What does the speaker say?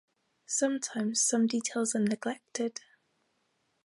Sometimes, some details are neglected.